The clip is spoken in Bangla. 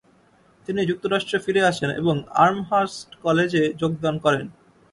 তিনি যুক্তরাষ্ট্রে ফিরে আসেন এবং আর্মহার্স্ট কলেজে যোগদান করেন।